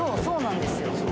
そうなんですよ。